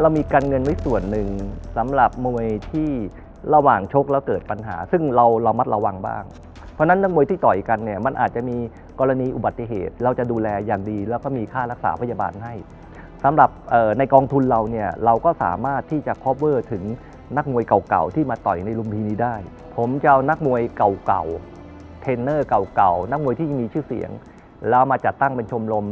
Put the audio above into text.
เรามีการเงินไว้ส่วนหนึ่งสำหรับมวยที่ระหว่างชกแล้วเกิดปัญหาซึ่งเราเรามัดระวังบ้างเพราะฉะนั้นนักมวยที่ต่อยกันเนี้ยมันอาจจะมีกรณีอุบัติเหตุเราจะดูแลอย่างดีแล้วก็มีค่ารักษาพยาบาลให้สำหรับเอ่อในกองทุนเราเนี้ยเราก็สามารถที่จะคอเวอร์ถึงนักมวยเก่าเก่าที่มาต่อยในรุมพีนี้ได้ผม